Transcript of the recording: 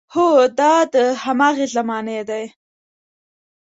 هو، دا د هماغې زمانې دی.